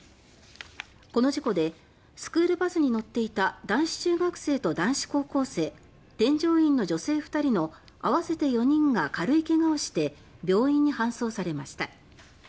この事故でスクールバスに乗っていた男子中学生と男子高校生添乗員の女性２人の合わせて４人が軽いけがをして病院に搬送されました。